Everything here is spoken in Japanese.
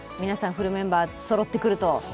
フルメンバー、そろってくると。